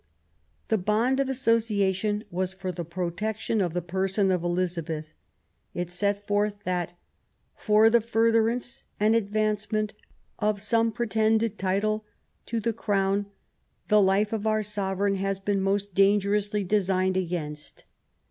The bond of association was for the protection of the person of Elizabeth. It set forth that "for the furtherance and advancement of some pretended title to the Crown, the life of our sovereign has been most dangerously designed against